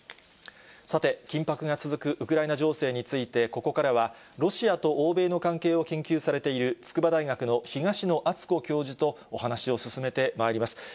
さて、緊迫が続くウクライナ情勢について、ここからは、ロシアと欧米の関係を研究されている、筑波大学の東野篤子教授とお話を進めてまいります。